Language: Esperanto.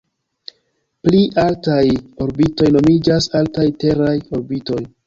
Pli altaj orbitoj nomiĝas "altaj teraj orbitoj".